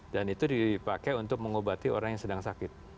dan itu dipakai untuk mengobati orang yang sedang sakit